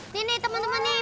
ini nih teman teman nih